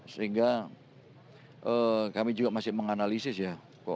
sehingga kami juga masih menganalisis ya